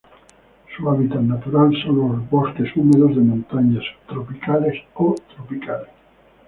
Su hábitat natural son los bosques húmedos de montaña subtropicales o tropicales.